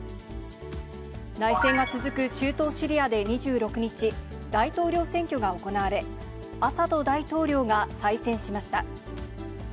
内戦が続く中東シリアで２６日、大統領選挙が行われ、アサド大統領が再選しました。